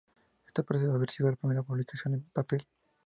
Esta parece haber sido la primera publicación en papel.